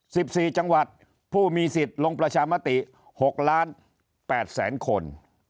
สิบสี่จังหวัดผู้มีสิทธิ์ลงประชามติหกล้านแปดแสนคน